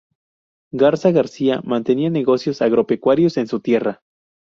Garza García mantenía negocios agropecuarios en su tierra.